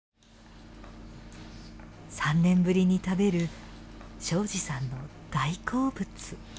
３年ぶりに食べる庄司さんの大好物。